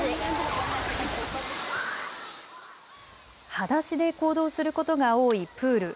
はだしで行動することが多いプール。